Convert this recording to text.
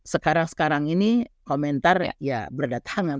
sekarang sekarang ini komentar ya berdatangan